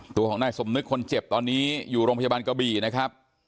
ตัวของนายสมนึกคนเจ็บตอนนี้อยู่โรงพยาบาลกะบี่นะครับ